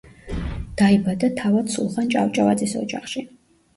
დაიბადა თავად სულხან ჭავჭავაძის ოჯახში.